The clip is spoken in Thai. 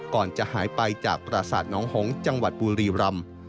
ก่อนจะหายไปจากประสาทน้องหงษ์จังหวัดบุรีรำ